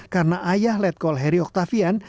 karena ayah letkol heri oktavian